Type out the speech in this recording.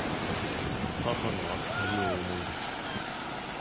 母の悪態を思い出す。